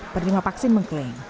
pernimap vaksin mengklaim